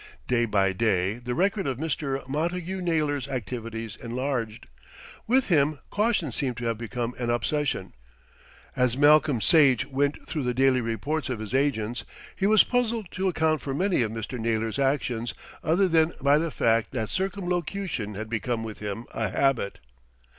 Day by day the record of Mr. Montagu Naylor's activities enlarged. With him caution seemed to have become an obsession. As Malcolm Sage went through the daily reports of his agents he was puzzled to account for many of Mr. Naylor's actions other than by the fact that circumlocution had become with him a habit.